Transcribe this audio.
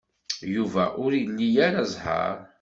Yuba ur ili ara zzheṛ.